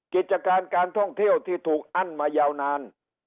กิจการการท่องเที่ยวที่ถูกอั้นมายาวนาน